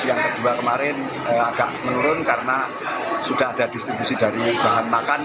yang kedua kemarin agak menurun karena sudah ada distribusi dari bahan makan